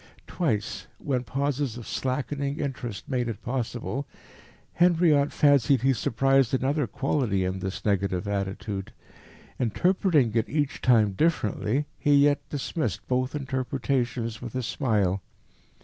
Twice, when pauses of slackening interest made it possible, Henriot fancied he surprised another quality in this negative attitude. Interpreting it each time differently, he yet dismissed both interpretations with a smile.